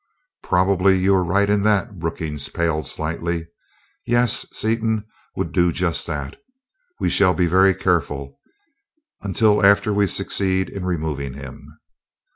"Probably you are right in that," Brookings paled slightly. "Yes, Seaton would do just that. We shall be very careful, until after we succeed in removing him."